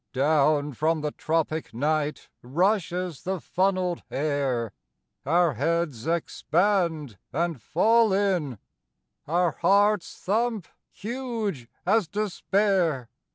"Down from the tropic night Rushes the funnelled air; Our heads expand and fall in; Our hearts thump huge as despair.